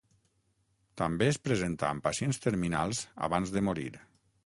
També es presenta amb pacients terminals abans de morir.